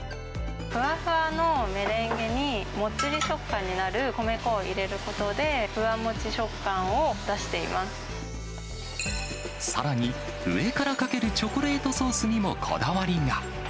ふわふわのメレンゲに、もっちり食感になる米粉を入れることで、さらに、上からかけるチョコレートソースにもこだわりが。